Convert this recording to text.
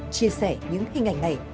chia sẻ những hình ảnh này